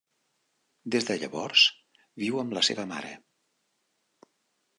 Des de llavors, viu amb la seva mare.